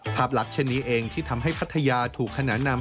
ภาพลักษณ์เช่นนี้เองที่ทำให้พัทยาถูกขนานนำ